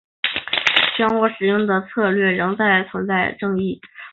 乔蒂纳在尼克松国会竞选中使用的策略仍然存在争议。